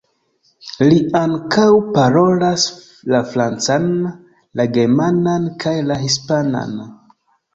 Li ankaŭ parolas la francan, la germanan kaj la hispanan.